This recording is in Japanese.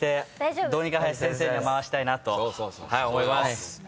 どうにか林先生には回したいなと思います。